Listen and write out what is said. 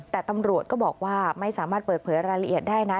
แต่ตำรวจก็บอกว่าไม่สามารถเปิดเผยรายละเอียดได้นะ